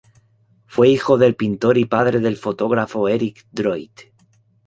Fue hijo del pintor y padre del fotógrafo Éric Droit.